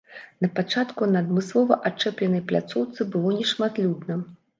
На пачатку на адмыслова ачэпленай пляцоўцы было нешматлюдна.